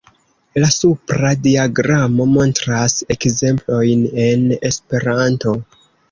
La supra diagramo montras ekzemplojn en esperanto.